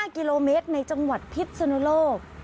๕กิโลเมตรในจังหวัดพิษนุโลก